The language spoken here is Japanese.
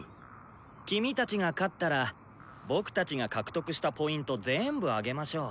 キミたちが勝ったら僕たちが獲得したＰ全部あげましょう。